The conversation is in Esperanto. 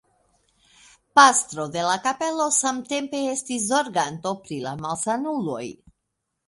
Pastro de la kapelo samtempe estis zorganto pri la malsanuloj.